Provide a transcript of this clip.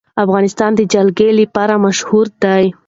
افغانستان د جلګه لپاره مشهور دی.